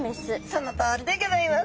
そのとおりでギョざいます。